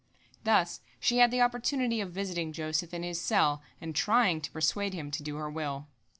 " Thus she had the opportunity of visiting Joseph in his cell and trying to persuade him to do her will.